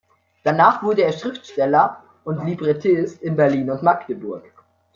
Danach wurde er Schriftsteller und Librettist in Berlin und Magdeburg.